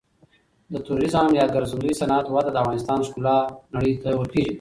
د توریزم یا ګرځندوی صنعت وده د افغانستان ښکلا نړۍ ته ورپیژني.